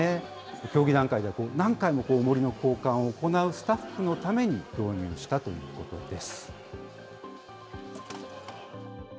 競技団体では、何回もおもりの交換を行うスタッフのために導入したということです。